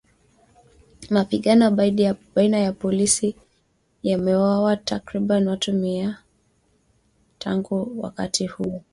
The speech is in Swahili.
Mapigano baina ya polisi yameuwa takriban watu mia tangu wakati huo.